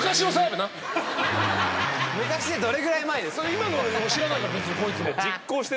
今のを知らないから別にこいつ。